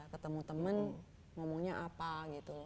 ketemu temen ngomongnya apa gitu